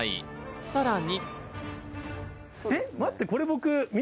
さらに。